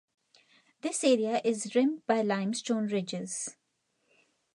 This area is rimmed by limestone ridges.